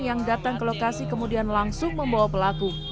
yang datang ke lokasi kemudian langsung membawa pelaku